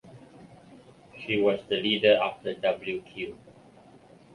She was the leader, after W. Q.